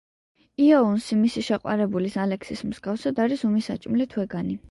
იოუნსი მისი შეყვარებულის, ალექსის მსგავსად არის უმი საჭმლით ვეგანი.